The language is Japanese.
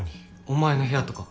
お前の部屋とか。